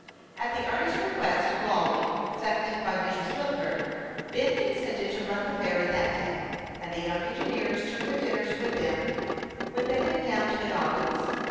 At the earnest request of Lawry, seconded by Mrs. Wilford, Ben consented to run the ferry that day, and the young engineers took their dinners with them when they went down to the Goblins.